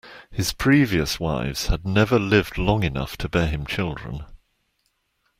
His previous wives had never lived long enough to bear him children.